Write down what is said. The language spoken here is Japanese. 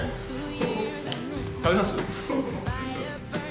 食べます？